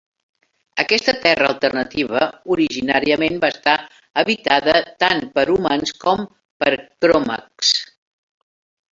Aquesta terra alternativa originalment va estar habitada tant per humans com per Kromaggs.